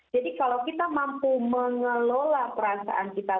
jadi kalau kita mampu mengelola perasaan kita